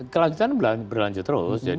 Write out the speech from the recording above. kelanjutan berlanjut terus